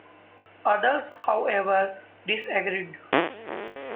Others, however, disagreed.